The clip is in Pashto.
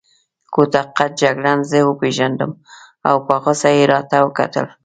کوتاه قد جګړن زه وپېژندم او په غوسه يې راته وکتل.